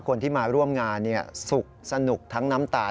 คนที่มาร่วมงานสุขสนุกทั้งน้ำตาล